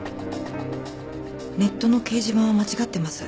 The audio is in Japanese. ネットの掲示板は間違ってます。